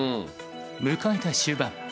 迎えた終盤。